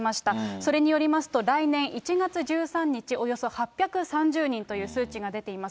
それによりますと、来年１月１３日、およそ８３０人という数値が出ています。